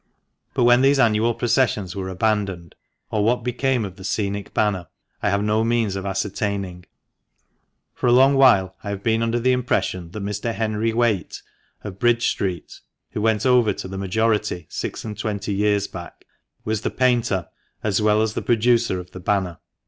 But when these annual processions were abandoned, or what became of the scenic banner, I have no means of ascertaining. For a long while I have been under the impression that Mr. Henry Whaite, of Bridge Street (who went over to the majority six and twenty years back), was the painter, as well as the producer of the banner.